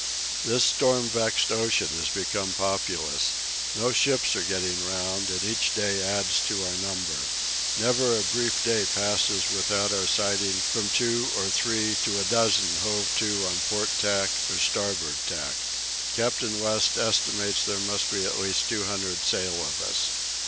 This storm vexed ocean has become populous. No ships are getting round, and each day adds to our number. Never a brief day passes without our sighting from two or three to a dozen hove to on port tack or starboard tack. Captain West estimates there must be at least two hundred sail of us.